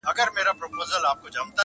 ناست یمه ترې لپې ډکومه زه ,